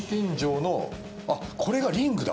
これがリングだ。